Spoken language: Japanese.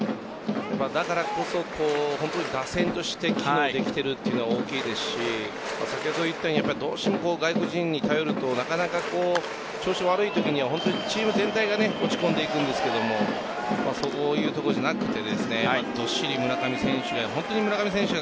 だからこそ本当に打線として機能できているというのは大きいですし先ほど言ったようにどうしても外国人に頼るとなかなか調子悪いときには本当にチーム全体が落ち込んでいくんですけどそういうところじゃなくてどっしり村上選手。